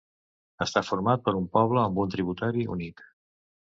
Està format per un poble amb un tributari únic.